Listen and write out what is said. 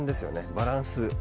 バランス。